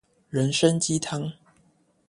人參雞湯